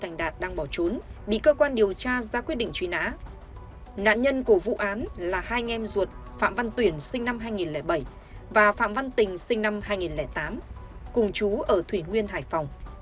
nạn nhân của vụ án là hai anh em ruột phạm văn tuyển sinh năm hai nghìn bảy và phạm văn tình sinh năm hai nghìn tám cùng chú ở thủy nguyên hải phòng